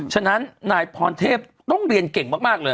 ฉะนั้นนายพรเทพต้องเรียนเก่งมากเลย